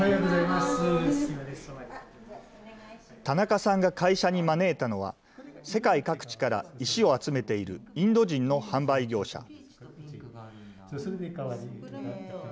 田中さんが会社に招いたのは、世界各地から石を集めているインド人の販売業者。